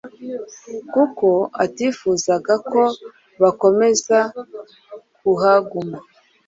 kuko atifuzaga ko bakomeza kuhaguma.